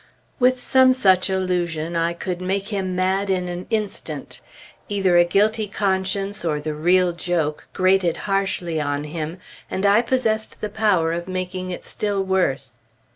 With some such allusion, I could make him mad in an instant. Either a guilty conscience, or the real joke, grated harshly on him, and I possessed the power of making it still worse.